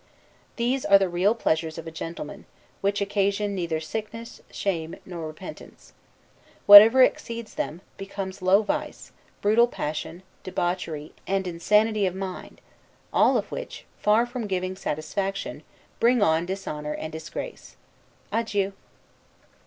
These are the real pleasures of a gentleman; which occasion neither sickness, shame, nor repentance. Whatever exceeds them, becomes low vice, brutal passion, debauchery, and insanity of, mind; all of which, far from giving satisfaction, bring on dishonor and disgrace. Adieu.